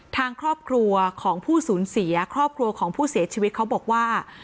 ทางครอบครัวของผู้สูญเสียครอบครัวของผู้เสียชีวิตเขาบอกว่า